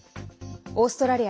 オーストラリア